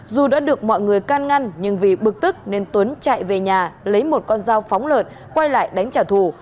dù đã được mọi người can ngăn nhưng vì bực tức nên tuấn chạy về nhà lấy một con dao phóng lợn quay lại đánh trả thù